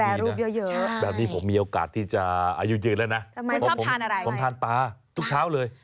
แสวเร่มผิดแบบนี้ผมมีโอกาสที่จะอายุยืนแล้วนะผมทานปลาปลาทุงเช้าเลย